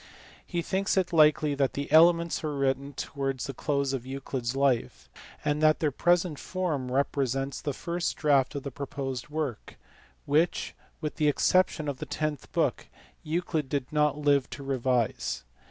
He thinks it likely that the Elements were written towards the close of Euclid s life, and that their present form represents the first draft of the proposed work, which, with the exception of the tenth book, Euclid did not live to revise.